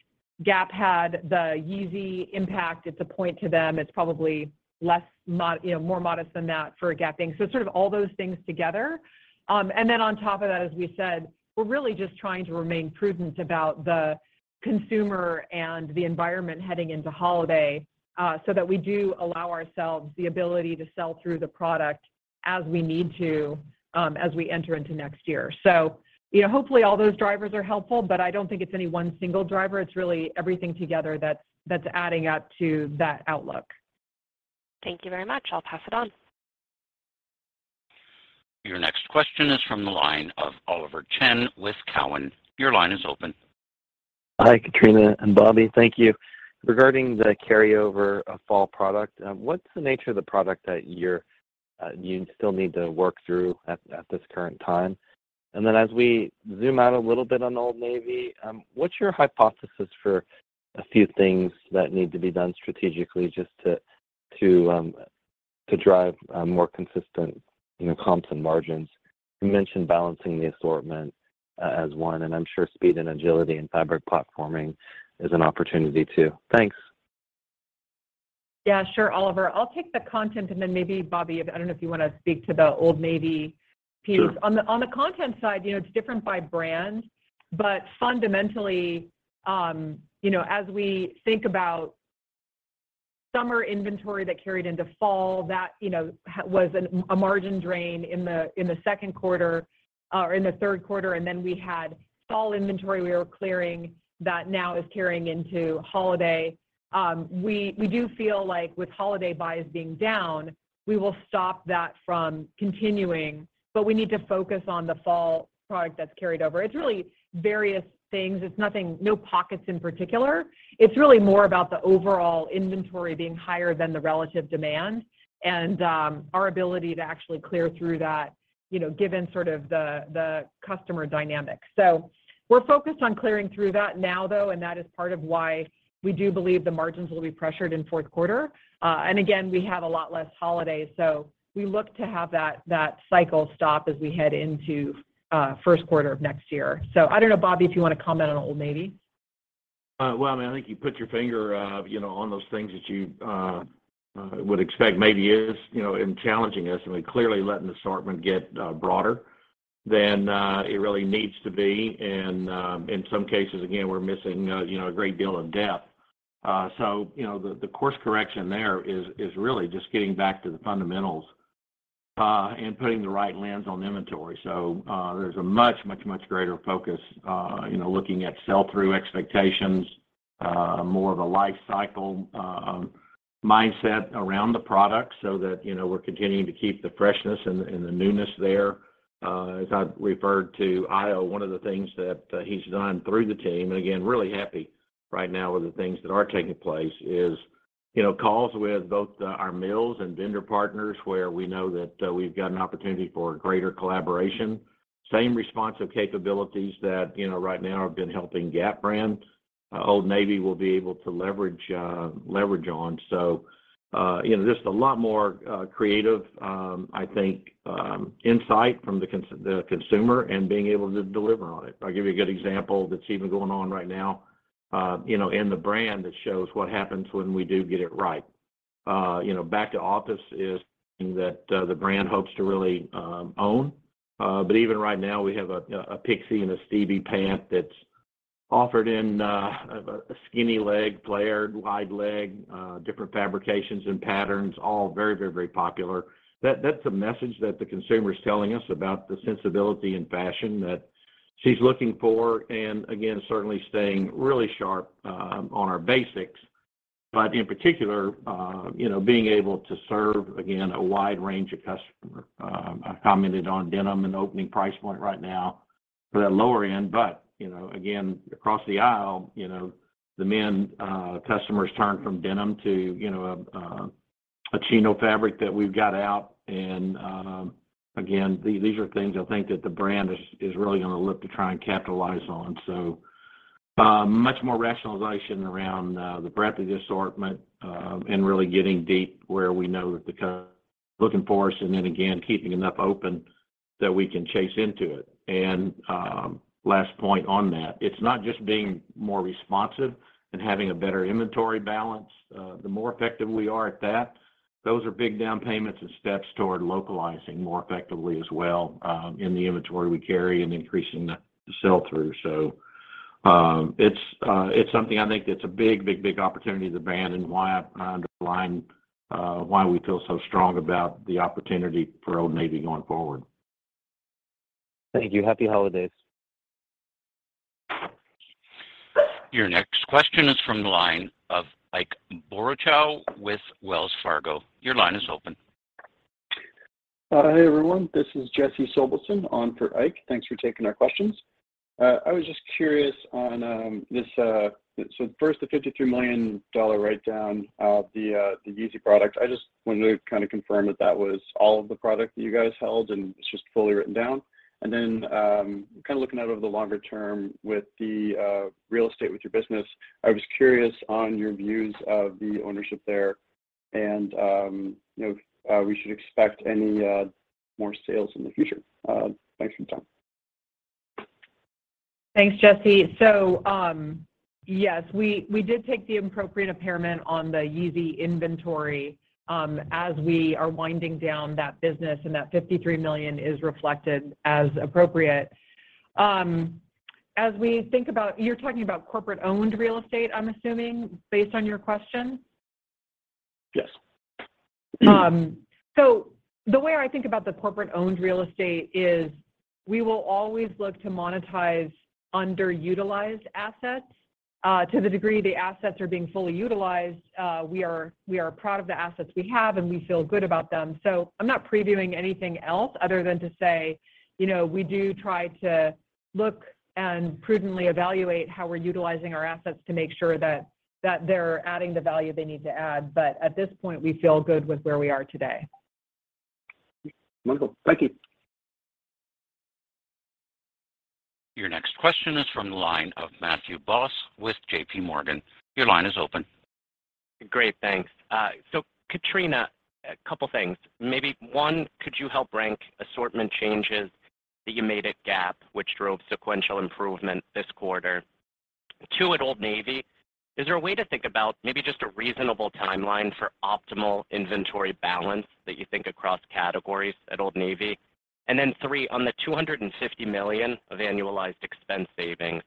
Speaker 4: Gap had the Yeezy impact. It's a point to them. It's probably, you know, more modest than that for Gap Inc Sort of all those things together. On top of that, as we said, we're really just trying to remain prudent about the consumer and the environment heading into holiday so that we do allow ourselves the ability to sell through the product as we need to as we enter into next year. You know, hopefully all those drivers are helpful, but I don't think it's any one single driver. It's really everything together that's adding up to that outlook.
Speaker 10: Thank you very much. I'll pass it on.
Speaker 1: Your next question is from the line of Oliver Chen with Cowen. Your line is open.
Speaker 11: Hi, Katrina and Bobby. Thank you. Regarding the carryover of fall product, what's the nature of the product that you still need to work through at this current time? As we zoom out a little bit on Old Navy, what's your hypothesis for a few things that need to be done strategically just to drive a more consistent, you know, comps and margins? You mentioned balancing the assortment as one, and I'm sure speed and agility and fabric platforming is an opportunity too. Thanks.
Speaker 4: Yeah, sure, Oliver. I'll take the content and then maybe Bob, I don't know if you wanna speak to the Old Navy piece.
Speaker 3: Sure.
Speaker 4: On the content side, you know, it's different by brand, but fundamentally, you know, as we think about summer inventory that carried into fall, that, you know, was a margin drain in the second quarter or in the third quarter, and then we had fall inventory we were clearing that now is carrying into holiday. We do feel like with holiday buys being down, we will stop that from continuing, but we need to focus on the fall product that's carried over. It's really various things. No pockets in particular. It's really more about the overall inventory being higher than the relative demand and our ability to actually clear through that, you know, given sort of the customer dynamics. We're focused on clearing through that now though, and that is part of why we do believe the margins will be pressured in fourth quarter. Again, we have a lot less holidays, so we look to have that cycle stop as we head into first quarter of next year. I don't know, Bob, if you wanna comment on Old Navy.
Speaker 3: Well, I mean, I think you put your finger, you know, on those things that you would expect maybe is, you know, in challenging us, and we're clearly letting the assortment get broader than it really needs to be. In some cases, again, we're missing, you know, a great deal of depth. You know, the course correction there is really just getting back to the fundamentals and putting the right lens on the inventory. There's a much greater focus, you know, looking at sell-through expectations, more of a life cycle mindset around the product so that, you know, we're continuing to keep the freshness and the newness there. As I referred to Horacio Barbeito, one of the things that he's done through the team, and again, really happy right now with the things that are taking place is, you know, calls with both our mills and vendor partners where we know that we've got an opportunity for greater collaboration. Same responsive capabilities that, you know, right now have been helping Gap brand, Old Navy will be able to leverage on. You know, just a lot more creative, I think, insight from the consumer and being able to deliver on it. I'll give you a good example that's even going on right now, you know, in the brand that shows what happens when we do get it right. You know, back to office is something that the brand hopes to really own. Even right now, we have a Pixie and a Stevie pant that's offered in a skinny leg, flared, wide leg, different fabrications and patterns, all very popular. That's a message that the consumer is telling us about the sensibility in fashion that she's looking for, and again, certainly staying really sharp on our basics. In particular, you know, being able to serve, again, a wide range of customer. I commented on denim and opening price point right now for that lower end. You know, again, across the aisle, you know, the men customers turn from denim to, you know, a chino fabric that we've got out, and again, these are things I think that the brand is really gonna look to try and capitalize on. Much more rationalization around the breadth of the assortment and really getting deep where we know they're looking for us, and then again, keeping enough open that we can chase into it. Last point on that, it's not just being more responsive and having a better inventory balance. The more effective we are at that, those are big down payments and steps toward localizing more effectively as well in the inventory we carry and increasing the sell-through. It's something I think that's a big opportunity for the brand and why I underline why we feel so strong about the opportunity for Old Navy going forward.
Speaker 11: Thank you. Happy holidays.
Speaker 1: Your next question is from the line of Ike Boruchow with Wells Fargo. Your line is open.
Speaker 12: Hi, everyone. This is Jesse Sobelson on for Ike. Thanks for taking our questions. I was just curious on first, the $53 million write-down of the Yeezy product. I just wanted to kind of confirm that that was all of the product that you guys held, and it's just fully written down. Kinda looking out over the longer term with the real estate with your business, I was curious on your views of the ownership there and, you know, we should expect any more sales in the future. Thanks for your time.
Speaker 4: Thanks, Jesse. Yes, we did take the appropriate impairment on the Yeezy inventory as we are winding down that business, and that $53 million is reflected as appropriate. You're talking about corporate-owned real estate, I'm assuming, based on your question?
Speaker 12: Yes.
Speaker 4: Um, so the way I think about the corporate-owned real estate is we will always look to monetize underutilized assets. Uh, to the degree the assets are being fully utilized, uh, we are, we are proud of the assets we have, and we feel good about them. So I'm not previewing anything else other than to say, you know, we do try to look and prudently evaluate how we're utilizing our assets to make sure that, that they're adding the value they need to add. But at this point, we feel good with where we are today.
Speaker 12: Wonderful. Thank you.
Speaker 1: Your next question is from the line of Matthew Boss with JPMorgan. Your line is open.
Speaker 13: Great, thanks. Katrina, a couple things. Maybe one, could you help rank assortment changes that you made at Gap, which drove sequential improvement this quarter? Two, at Old Navy, is there a way to think about maybe just a reasonable timeline for optimal inventory balance that you think across categories at Old Navy? Three, on the $250 million of annualized expense savings,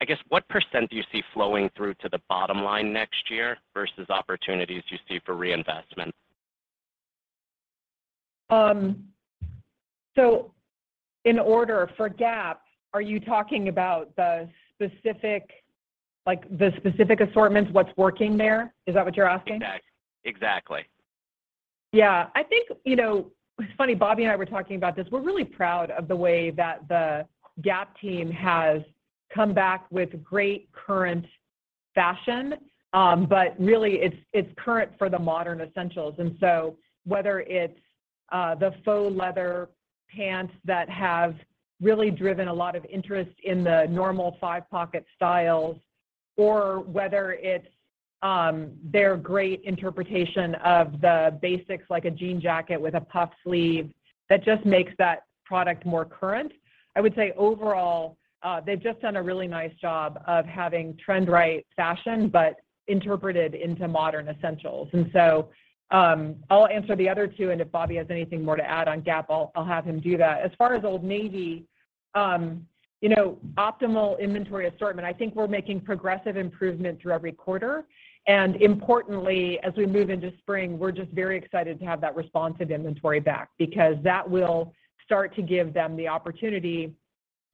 Speaker 13: I guess, what % do you see flowing through to the bottom line next year versus opportunities you see for reinvestment?
Speaker 4: Are you talking about, like, the specific assortments, what's working there? Is that what you're asking?
Speaker 13: Exactly. Exactly.
Speaker 4: Yeah. I think, you know, it's funny, Bobby and I were talking about this. We're really proud of the way that the Gap team has come back with great current fashion. Really it's current for the modern essentials. Whether it's the faux leather pants that have really driven a lot of interest in the normal five-pocket styles or whether it's their great interpretation of the basics like a jean jacket with a puff sleeve that just makes that product more current. I would say overall, they've just done a really nice job of having trend-right fashion, but interpreted into modern essentials. I'll answer the other two, and if Bobby has anything more to add on Gap, I'll have him do that. As far as Old Navy, you know, optimal inventory assortment, I think we're making progressive improvement through every quarter. Importantly, as we move into spring, we're just very excited to have that responsive inventory back because that will start to give them the opportunity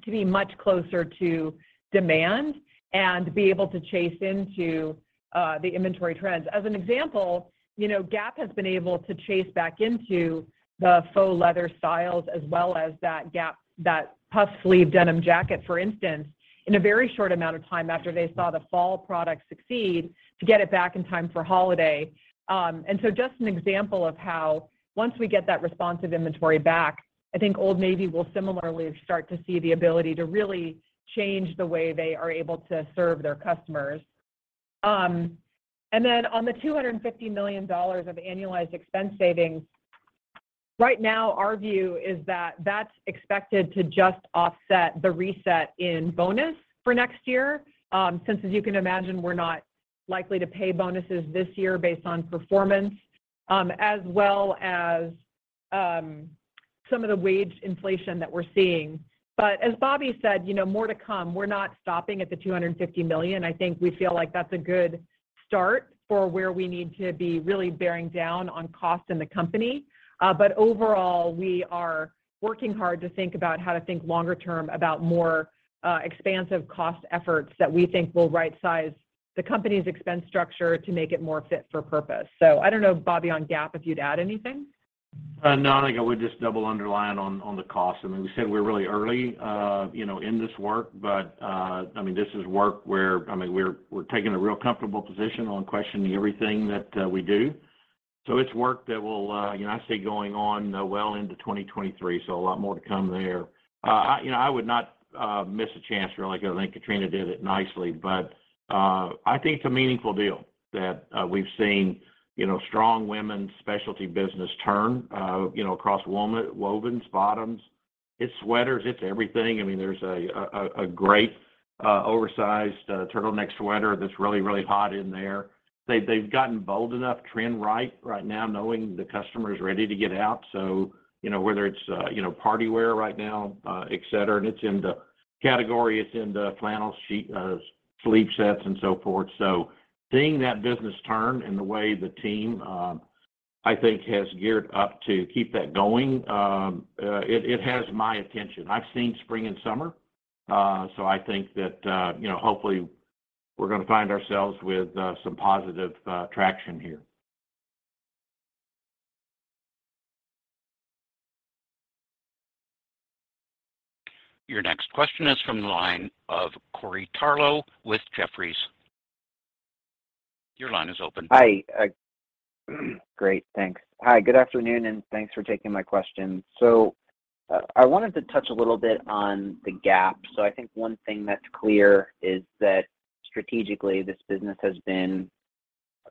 Speaker 4: to be much closer to demand and be able to chase into the inventory trends. As an example, you know, Gap has been able to chase back into the faux leather styles as well as that Gap puff sleeve denim jacket, for instance, in a very short amount of time after they saw the fall product succeed to get it back in time for holiday. Just an example of how once we get that responsive inventory back, I think Old Navy will similarly start to see the ability to really change the way they are able to serve their customers. On the $250 million of annualized expense savings, right now, our view is that that's expected to just offset the reset in bonus for next year, since as you can imagine, we're not likely to pay bonuses this year based on performance, as well as some of the wage inflation that we're seeing. As Bobby said, you know, more to come. We're not stopping at the $250 million. I think we feel like that's a good start for where we need to be really bearing down on cost in the company. Overall, we are working hard to think about how to think longer term about more expansive cost efforts that we think will right-size the company's expense structure to make it more fit for purpose. I don't know, Bobby, on Gap, if you'd add anything.
Speaker 3: No, I think I would just double underline on the cost. I mean, we said we're really early, you know, in this work, but I mean, this is work where we're taking a real comfortable position on questioning everything that we do. It's work that will, you know, I see going on well into 2023, so a lot more to come there. I, you know, I would not miss a chance really. I think Katrina did it nicely, but I think it's a meaningful deal that we've seen, you know, strong women's specialty business turn, you know, across wovens, bottoms. It's sweaters, it's everything. I mean, there's a great oversized turtleneck sweater that's really, really hot in there. They've gotten bold enough trend right right now, knowing the customer is ready to get out. You know, whether it's, you know, party wear right now, et cetera, and it's in the category, it's in the flannel sheet sleep sets and so forth. Seeing that business turn and the way the team, I think has geared up to keep that going, it has my attention. I've seen spring and summer, so I think that, you know, hopefully we're gonna find ourselves with some positive traction here.
Speaker 1: Your next question is from the line of Corey Tarlowe with Jefferies. Your line is open.
Speaker 14: Hi. Great, thanks. Hi, good afternoon, and thanks for taking my question. I wanted to touch a little bit on the Gap. I think one thing that's clear is that strategically, this business has been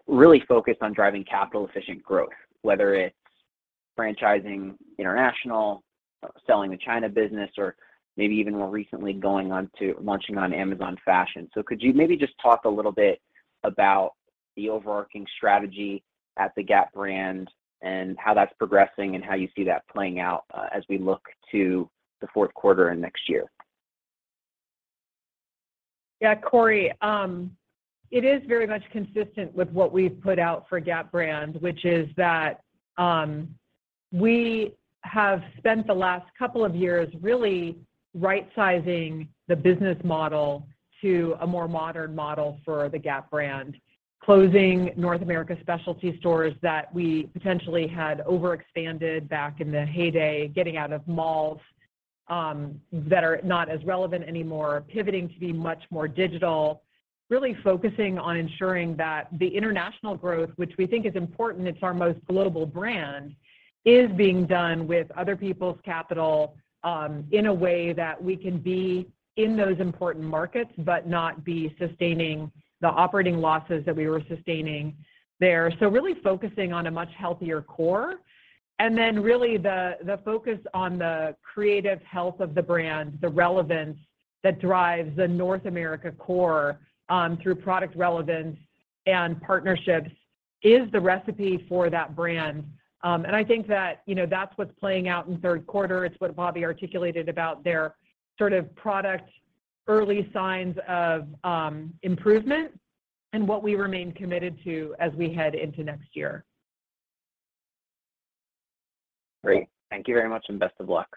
Speaker 14: really focused on driving capital-efficient growth, whether it's franchising international, selling the China business or maybe even more recently launching on Amazon Fashion. Could you maybe just talk a little bit about the overarching strategy at the Gap brand and how that's progressing and how you see that playing out as we look to the fourth quarter and next year?
Speaker 4: Yeah, Corey, it is very much consistent with what we've put out for Gap brand, which is that we have spent the last couple of years really right-sizing the business model to a more modern model for the Gap brand, closing North America specialty stores that we potentially had overexpanded back in the heyday, getting out of malls that are not as relevant anymore, pivoting to be much more digital, really focusing on ensuring that the international growth, which we think is important, it's our most global brand, is being done with other people's capital in a way that we can be in those important markets, but not be sustaining the operating losses that we were sustaining there. Really focusing on a much healthier core. Really the focus on the creative health of the brand, the relevance that drives the North America core through product relevance and partnerships is the recipe for that brand. I think that, you know, that's what's playing out in third quarter. It's what Bobby articulated about their sort of product early signs of improvement and what we remain committed to as we head into next year.
Speaker 14: Great. Thank you very much and best of luck.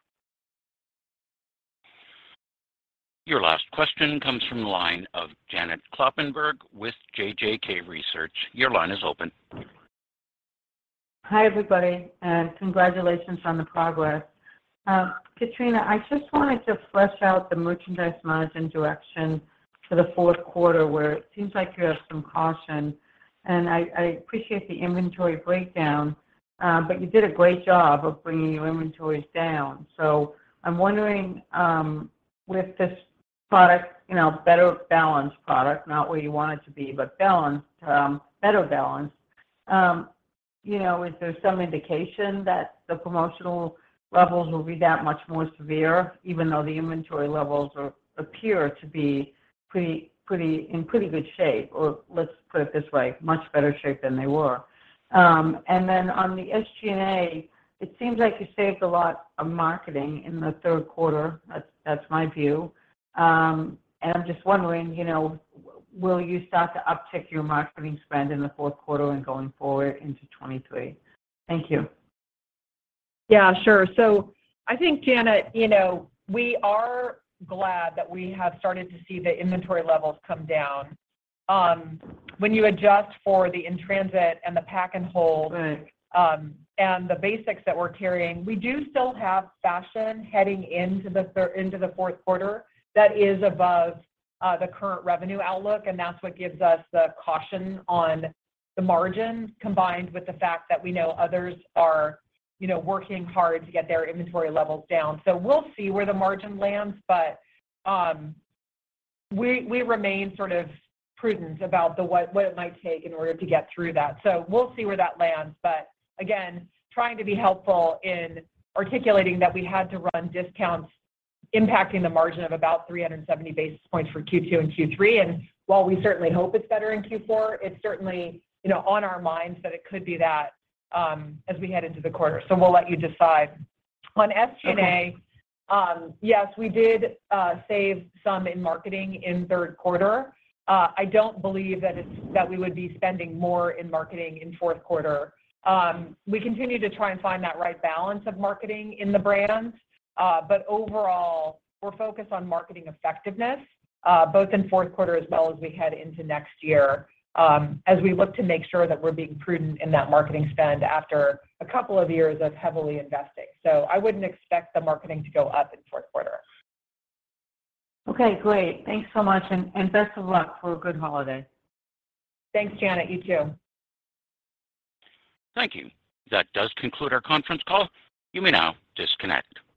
Speaker 1: Your last question comes from the line of Janet Kloppenburg with JJK Research. Your line is open.
Speaker 15: Hi, everybody, and congratulations on the progress. Katrina, I just wanted to flesh out the merchandise margin direction for the fourth quarter, where it seems like you have some caution. I appreciate the inventory breakdown, but you did a great job of bringing your inventories down. I'm wondering, with this product, you know, better balanced product, not where you want it to be, but balanced, better balanced, you know, is there some indication that the promotional levels will be that much more severe, even though the inventory levels appear to be in pretty good shape? Let's put it this way, much better shape than they were. On the SG&A, it seems like you saved a lot of marketing in the third quarter. That's my view. I'm just wondering, you know, will you start to uptick your marketing spend in the fourth quarter and going forward into 2023? Thank you.
Speaker 4: Yeah, sure. I think, Janet, you know, we are glad that we have started to see the inventory levels come down. When you adjust for the in-transit and the pack and hold.
Speaker 15: Right.
Speaker 4: The basics that we're carrying, we do still have fashion heading into the fourth quarter that is above the current revenue outlook, and that's what gives us the caution on the margin, combined with the fact that we know others are, you know, working hard to get their inventory levels down. We'll see where the margin lands, but we remain sort of prudent about what it might take in order to get through that. We'll see where that lands. Again, trying to be helpful in articulating that we had to run discounts impacting the margin of about 370 basis points for Q2 and Q3. While we certainly hope it's better in Q4, it's certainly, you know, on our minds that it could be that as we head into the quarter. We'll let you decide. On SG&A, yes, we did save some in marketing in third quarter. I don't believe that we would be spending more in marketing in fourth quarter. We continue to try and find that right balance of marketing in the brands. Overall, we're focused on marketing effectiveness, both in fourth quarter as well as we head into next year, as we look to make sure that we're being prudent in that marketing spend after a couple of years of heavily investing. I wouldn't expect the marketing to go up in fourth quarter.
Speaker 15: Okay, great. Thanks so much, and best of luck for a good holiday.
Speaker 4: Thanks, Janet. You too.
Speaker 1: Thank you. That does conclude our conference call. You may now disconnect.